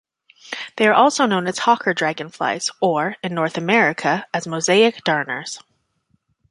They are also known as hawker dragonflies, or, in North America, as mosaic darners.